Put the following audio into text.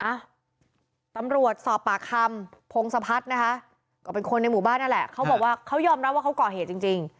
อ่ะตำรวจสอบปากคำพงศพัฒน์นะคะก็เป็นคนในหมู่บ้านนั่นแหละเขาบอกว่าเขายอมรับว่าเขาก่อเหตุจริงจริง